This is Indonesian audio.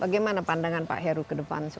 bagaimana pandangan pak heru ke depan